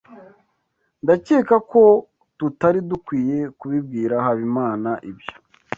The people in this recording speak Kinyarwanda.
Ndakeka ko tutari dukwiye kubibwira Habimana ibyo.